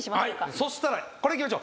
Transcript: そしたらこれいきましょう。